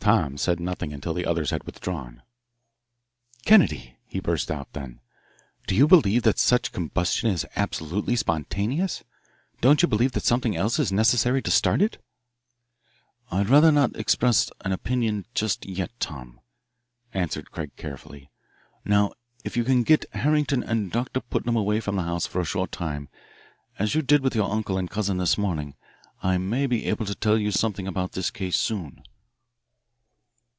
Tom said nothing until the others had withdrawn. "Kennedy," he burst out, then, "do you believe that such combustion is absolutely spontaneous? Don't you believe that something else is necessary to start it?" "I'd rather not express an opinion just yet, Tom," answered Craig carefully. "Now, if you can get Harrington and Doctor Putnam away from the house for a short time, as you did with your uncle and cousin this morning, I may be able to tell you something about this case soon."